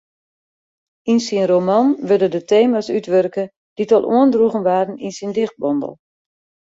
Yn syn roman wurde de tema's útwurke dy't al oandroegen waarden yn syn dichtbondel.